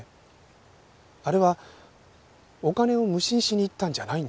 あれはお金を無心しに行ったんじゃないんです。